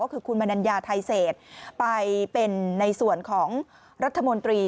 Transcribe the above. ก็คือคุณมนัญญาไทยเศษไปเป็นในส่วนของรัฐมนตรี